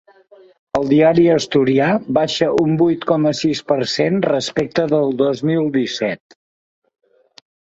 El diari asturià baixa un vuit coma sis per cent respecte del dos mil disset.